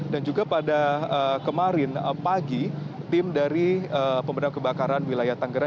dan juga pada kemarin pagi tim dari pemberdayaan kebakaran wilayah tanggera